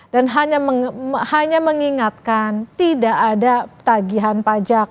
dan hanya mengingatkan tidak ada tagihan pajak